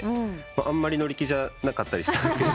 あんまり乗り気じゃなかったりしたんですけど。